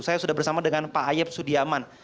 saya sudah bersama dengan pak ayep sudiaman